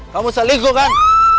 kamu selingkuh kan